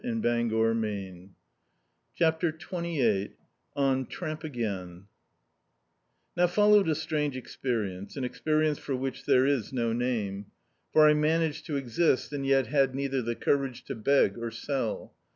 db, Google CHAPTER XXVin ON TRAMP AGAIN NOW followed a strange eiqjerience, an eiqwri ence for which there is no name; for I managed to exist, and yet had ncidier the courage to beg or sell.